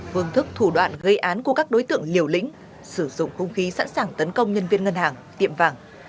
phương thức thủ đoạn gây án của các đối tượng liều lĩnh sử dụng hung khí sẵn sàng tấn công nhân viên ngân hàng tiệm vàng